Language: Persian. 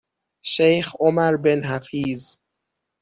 شیخ عمر بن حفیظ